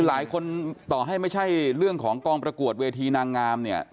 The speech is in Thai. หลายคนต่อให้ไม่ใช่เรื่องของกองประกวดเวทีนางงามเนี่ย